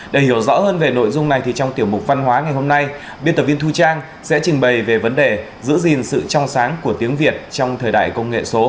để hiểu rõ hơn về nội dung này thì trong tiểu mục văn hóa ngày hôm nay biên tập viên thu trang sẽ trình bày về vấn đề giữ gìn sự trong sáng của tiếng việt trong thời đại công nghệ số